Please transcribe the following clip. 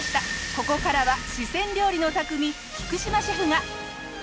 ここからは四川料理の匠菊島シェフが。